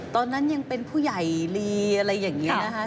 ตอนนั้นยังเป็นผู้ใหญ่ลีอะไรอย่างนี้นะคะ